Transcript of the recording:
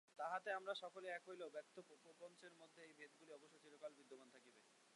তাঁহাতে আমরা সকলেই এক হইলেও ব্যক্তপ্রপঞ্চের মধ্যে এই ভেদগুলি অবশ্য চিরকাল বিদ্যমান থাকিবে।